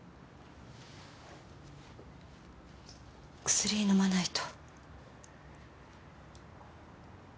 薬飲まないと。